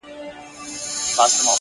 وخت د ارادې ملګری نه انتظار.